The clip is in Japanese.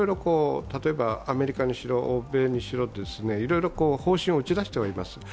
アメリカにしろ欧米にしろ、いろいろ方針を打ち出しています。